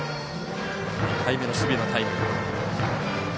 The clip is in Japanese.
２回目の守備のタイム。